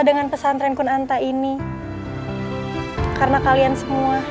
dengan pesantren kunanta ini karena kalian semua